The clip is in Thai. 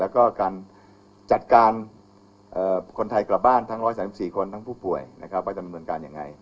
แล้วก็การจัดการคนไทยกลับบ้านทั้ง๑๓๔คนทั้งผู้ป่วยนะครับว่าจะดำเนินการยังไง